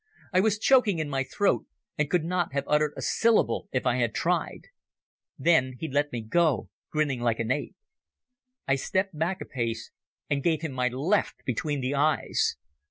I was choking in my throat and could not have uttered a syllable if I had tried. Then he let me go, grinning like an ape. I stepped back a pace and gave him my left between the eyes.